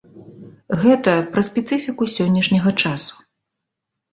Гэта пра спецыфіку сённяшняга часу.